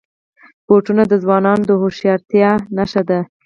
بوټونه د ځوانانو د هوښیارتیا نښه ده.